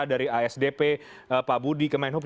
dari asdp pak budi kemenhub